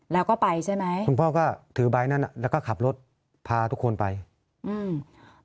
แล้วก็ไปใช่ไหมคุณพ่อก็ถือใบนั้นอ่ะแล้วก็ขับรถพาทุกคนไปอืม